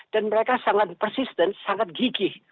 dan mereka sangat persisten sangat gigih